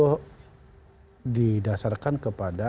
tidak didasarkan kepada